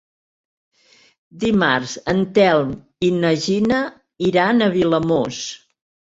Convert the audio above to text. Dimarts en Telm i na Gina iran a Vilamòs.